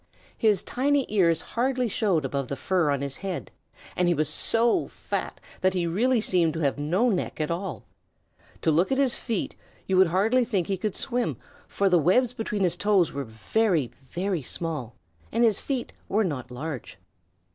His tiny ears hardly showed above the fur on his head, and he was so fat that he really seemed to have no neck at all. To look at his feet you would hardly think he could swim, for the webs between his toes were very, very small and his feet were not large.